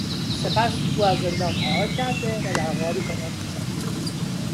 سپس او از زندان فرار کرده و در غاری پنهان میشود.